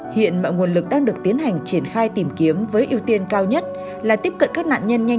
hiện mọi nguồn lực đang được tiến hành triển khai tìm kiếm với ưu tiên cao nhất là tiếp cận các nạn nhân nhanh nhất hiệu quả nhất